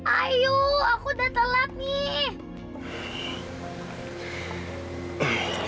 ayo aku udah telat nih